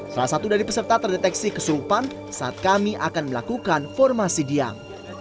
salah satu dari peserta terdeteksi kesurupan saat kami akan melakukan formasi diam